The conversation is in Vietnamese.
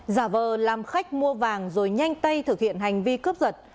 giả vờ làm khách mua vàng rồi nhanh tay thực hiện hành vi cướp giật